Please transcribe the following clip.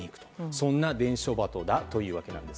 そんな伝書バトというわけなんです。